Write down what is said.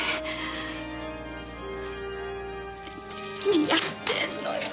何やってんのよ！